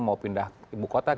mau pindah ibu kota